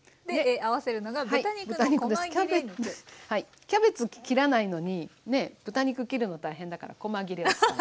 で合わせるのがキャベツ切らないのにねえ豚肉切るの大変だからこま切れです。